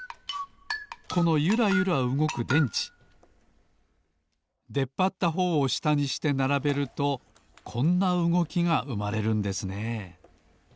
このゆらゆらうごく電池でっぱったほうをしたにしてならべるとこんなうごきがうまれるんですね